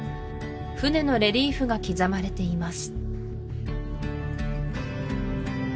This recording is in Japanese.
船のレリーフが刻まれています